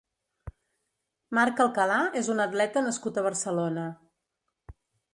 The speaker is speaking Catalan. Marc Alcalà és un atleta nascut a Barcelona.